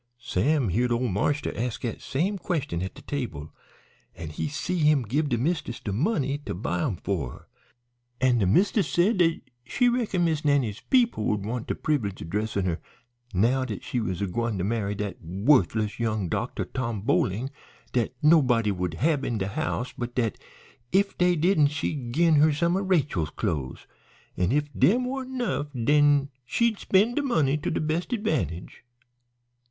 Sam heared ole marster ask dat same question at de table, an' he see him gib de mist'ess de money to buy 'em for her, an' de mist'ess said dat she reckoned 'Miss Nannie's people would want de privlege o' dressin' her now dat she was a gwine to marry dat wo'thless young doctor, Tom Boling, dat nobody wouldn't hab in de house, but dat if dey didn't she'd gin her some of Miss Rachel's clo'es, an' if dem warn't 'nough den she'd spen' de money to de best advantage.'